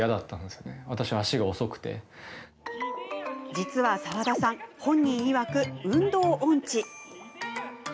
実は澤田さん本人いわく、運動オンチ。